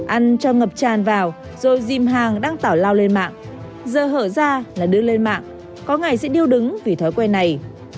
ăn cho ngập tràn vào rồi dìm hàng đang tảo lao lên mạng giờ hở ra là đưa lên mạng có ngày sẽ điêu đứng vì thói quen này